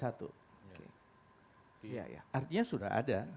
artinya sudah ada